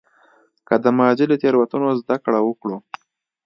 که د ماضي له تېروتنو زده کړه وکړه.